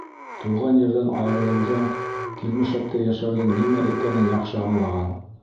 Тыуған ерҙән айырылыуҙың, килмешәктәй йәшәүҙең нимә икәнен яҡшы аңлаған.